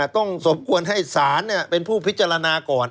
ต้องสมควรให้ศาลเป็นผู้พิจารณาก่อน